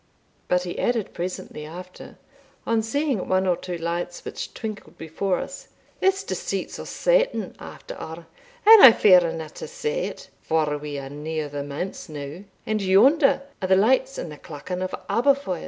But he added presently after, on seeing one or two lights which twinkled before us, "It's deceits o' Satan, after a', and I fearna to say it for we are near the manse now, and yonder are the lights in the Clachan of Aberfoil."